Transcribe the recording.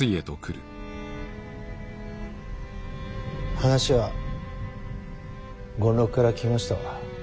話は権六から聞きましたわ。